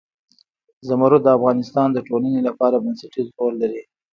زمرد د افغانستان د ټولنې لپاره بنسټيز رول لري.